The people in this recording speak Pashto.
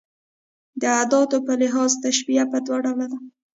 د اداتو په لحاظ تشبېه پر دوه ډوله ده.